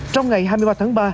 trong ngày hai mươi ba tháng ba